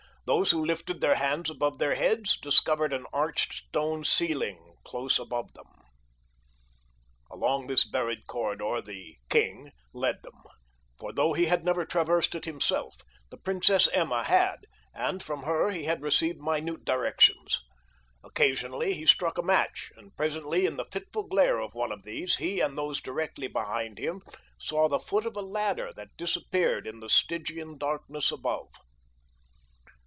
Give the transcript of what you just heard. Those who lifted their hands above their heads discovered an arched stone ceiling close above them. Along this buried corridor the "king" led them, for though he had never traversed it himself the Princess Emma had, and from her he had received minute directions. Occasionally he struck a match, and presently in the fitful glare of one of these he and those directly behind him saw the foot of a ladder that disappeared in the Stygian darkness above.